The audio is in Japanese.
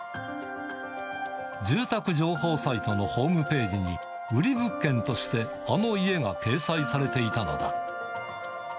住宅情報サイトのホームページに、売り物件として、あの家が掲載されていたのだ。